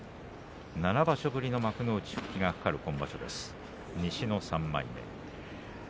７場所ぶりの幕内復帰が懸かる今場所です、西の３枚目。